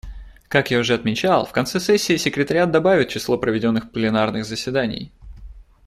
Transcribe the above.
Как я уже отмечал, в конце сессии секретариат добавит число проведенных пленарных заседаний.